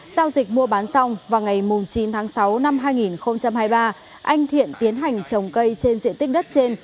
sau dịch mua bán xong vào ngày chín tháng sáu năm hai nghìn hai mươi ba anh thiện tiến hành trồng cây trên diện tích đất trên